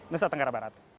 nusa tenggara barat